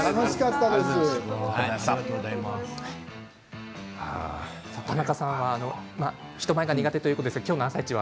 たなかさんは人前が苦手ということでしたが今日の「あさイチ」